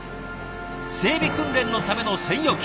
整備訓練のための専用機。